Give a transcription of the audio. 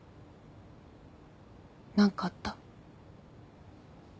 何かあった？